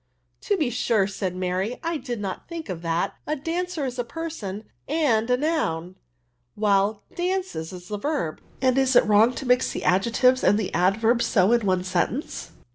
''" To be sure," said Mary, " I did not think of that : a dancer is a person and a noun ; while dances is a verb. And is it wrong to mix the adjectives and the adverbs so in one sentence